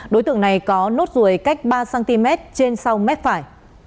đối tượng này có nốt ruồi cách ba cm trên sau mép phải